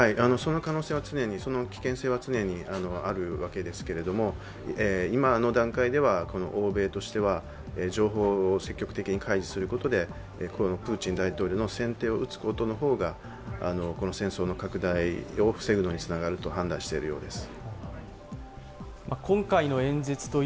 その危険性は常にあるわけですけれども今の段階では欧米としては情報を積極的に開示することでこのプーチン大統領の先手を打つことの方がこの戦争の拡大を防ぐのにつながると判断しているようです。